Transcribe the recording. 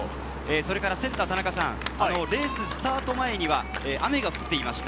それからセンター・田中さん、レーススタート前には雨が降っていました。